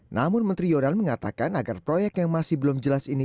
namun menteri yonan mengatakan agar proyek yang masih belum jelas ini